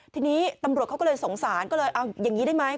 ทีนี้ตำรวจเขาก็เลยสงสารก็เลยเอาอย่างนี้ได้ไหม